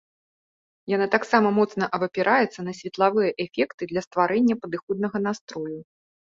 Яна таксама моцна абапіраецца на светлавыя эфекты для стварэння падыходнага настрою.